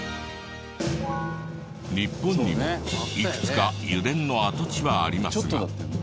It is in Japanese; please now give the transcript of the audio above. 日本にもいくつか油田の跡地はありますが。